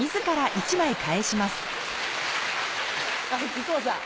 木久扇さん。